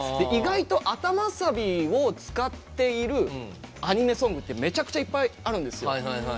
意外と頭サビを使っているアニメソングってめちゃくちゃいっぱいあるんですよ。